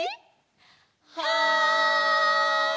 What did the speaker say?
はい！